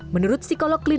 menurut psikolog kliwis